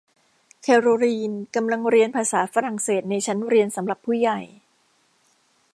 แคโรลีนกำลังเรียนภาษาฝรั่งเศสในชั้นเรียนสำหรับผู้ใหญ่